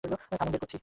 থামুন, বের করছি।